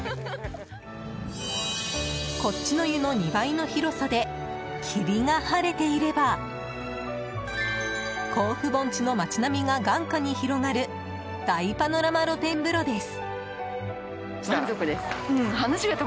こっちの湯の２倍の広さで霧が晴れていれば甲府盆地の街並みが眼下に広がる大パノラマ露天風呂です。